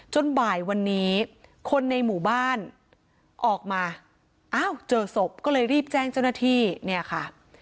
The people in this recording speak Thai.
บ่ายวันนี้คนในหมู่บ้านออกมาอ้าวเจอศพก็เลยรีบแจ้งเจ้าหน้าที่เนี่ยค่ะ